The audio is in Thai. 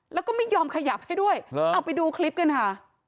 แล้วก็ไม่ยอมขยับให้ด้วยเอาไปดูคลิปกันค่ะ